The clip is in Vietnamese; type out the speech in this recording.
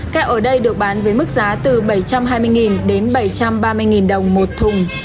keo ở đây được bán với mức giá từ bảy trăm hai mươi đến bảy trăm ba mươi đồng một thùng